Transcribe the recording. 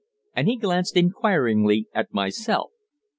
And he glanced inquiringly at myself.